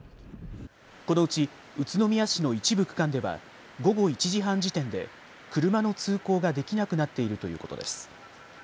このうち宇都宮市の一部区間では午後１時半時点で車の通行ができなくなっているということです。